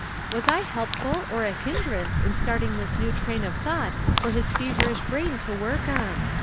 Was I helpful or a hindrance in starting this new train of thought for his feverish brain to work on